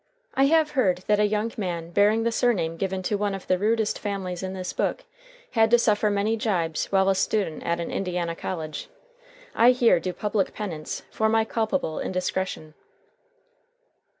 I have heard that a young man bearing the surname given to one of the rudest families in this book had to suffer many gibes while a student at an Indiana college. I here do public penance for my culpable indiscretion.